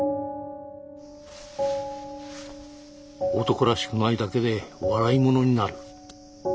男らしくないだけで笑い者になる。